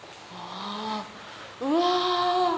うわ！